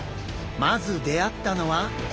まず出会ったのは。